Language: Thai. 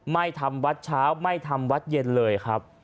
ไม่ทำวัดเช้าไม่ทำวัดเย็นเลยครับ